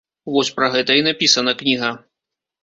Вось пра гэта і напісана кніга.